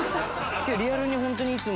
けどリアルにホントにいつも。